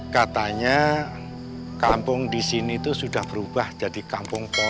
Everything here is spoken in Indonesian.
katanya kampung di sini itu sudah berubah jadi kampung kolam